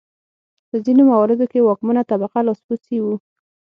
په ځینو مواردو کې واکمنه طبقه لاسپوڅي وو.